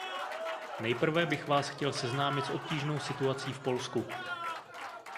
Nejprve bych vás chtěl seznámit s obtížnou situací v Polsku.